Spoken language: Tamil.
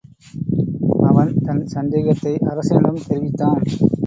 அவன் தன் சந்தேகத்தை அரசனிடம் தெரிவித்தான்.